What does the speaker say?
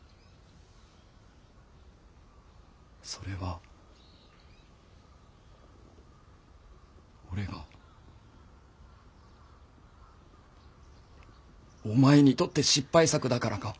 それは俺がお前にとって失敗作だからか？